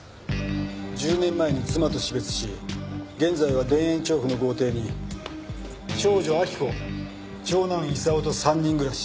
１０年前に妻と死別し現在は田園調布の豪邸に長女明子長男功と３人暮らし。